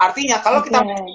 artinya kalau kita